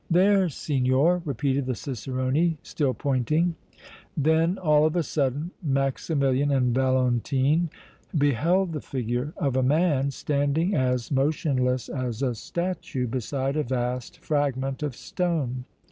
"There, signor!" repeated the cicerone, still pointing. Then, all of a sudden, Maximilian and Valentine beheld the figure of a man standing as motionless as a statue beside a vast fragment of stone.